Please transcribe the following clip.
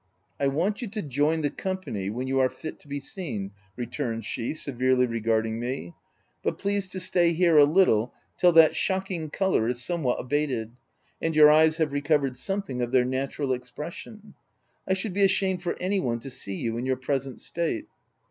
" I want you to join the company, when you are fit to be seen/' returned she, severely re garding me ;" but please to stay here a little till that shocking colour is somewhat abated, and your eyes have recovered something of their natural expression. I should be ashamed for any one to see you in your present state."